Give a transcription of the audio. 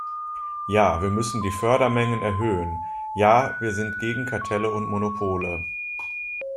Ja, wir müssen die Fördermengen erhöhen, ja, wir sind gegen Kartelle und Monopole.